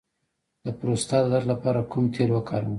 د پروستات د درد لپاره کوم تېل وکاروم؟